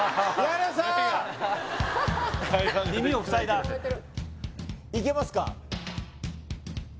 耳を塞いだいけますか？